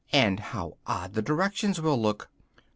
And how odd the directions will look!